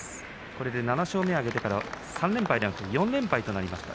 これで７勝目を挙げてから３連敗ではなく４連敗となりました。